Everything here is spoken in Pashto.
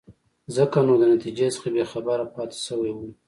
ځکه نو د نتیجې څخه بې خبره پاتې شوی وو.